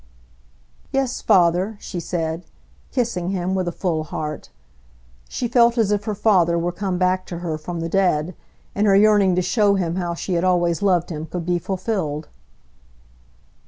"Yes, father," she said, kissing him with a full heart. She felt as if her father were come back to her from the dead, and her yearning to show him how she had always loved him could be fulfilled.